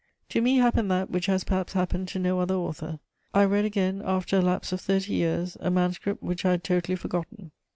To me happened that which has perhaps happened to no other author: I read again, after a lapse of thirty years, a manuscript which I had totally forgotten.